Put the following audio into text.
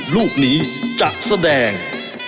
ลูกนี้จะแสดง